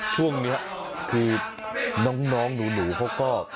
ช่วงนี้คือน้องหนูเขาก็